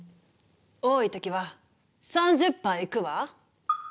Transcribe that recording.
多い時は３０杯いくわ。